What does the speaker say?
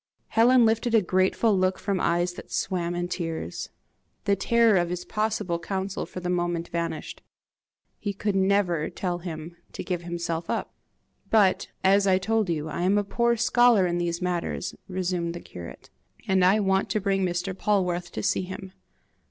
Helen lifted a grateful look from eyes that swam in tears. The terror of his possible counsel for the moment vanished. He could never tell him to give himself up! "But, as I told you, I am a poor scholar in these high matters," resumed the curate, "and I want to bring Mr. Polwarth to see him."